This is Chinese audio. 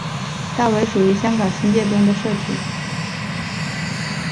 大围属于香港新界东的社区。